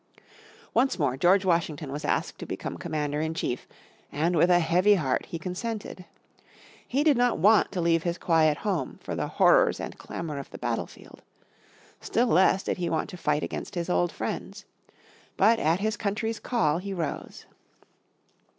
Once more George Washington was asked to become commander in chief in 1798, and with a heavy heart he consented. He did not want to leave his quiet home for the horrors and clamour of the battlefield. Still less did he want to fight against his old friends. But at his country's call he rose.